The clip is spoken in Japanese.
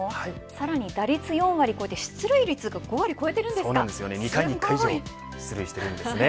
さらに打率４割出塁率が５割を超えているんですか。